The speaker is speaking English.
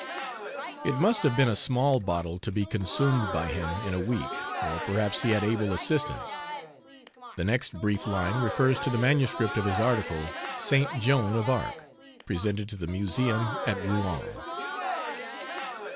It must have been a small bottle to be consumed by him in a week, or perhaps he had able assistance. The next brief line refers to the manuscript of his article, "Saint Joan of Arc," presented to the museum at Rouen.